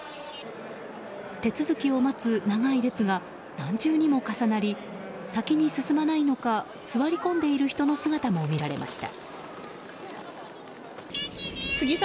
手続きを待つ長い列が何重にも重なり先に進まないのか座り込んでいる人の姿も見られました。